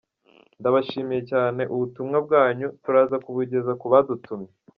Ndabashimiye cyane ubutumwa bwanyu turaza kubugeza kubadutumye”.